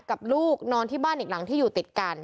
กับลูกนอนที่บ้านอีกหลังที่อยู่ติดกัน